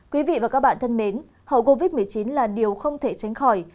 quý vị và các bạn thân mến hậu covid một mươi chín là điều không thể tránh khỏi